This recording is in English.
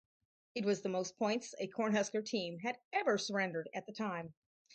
It was the most points a Cornhusker team had ever surrendered at the time.